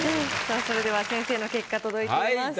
さあそれでは先生の結果届いております。